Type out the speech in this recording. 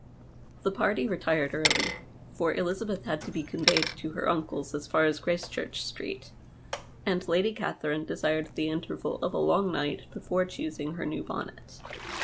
The party retired early, for Elizabeth had to be conveyed to her imclc's as far as Graccchureh Street, and Lady Catherine desired the interval of a long night before choosing her new bonnet.